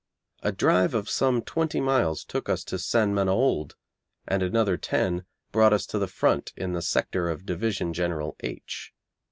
A drive of some twenty miles took us to St. Menehould, and another ten brought us to the front in the sector of Divisional General H.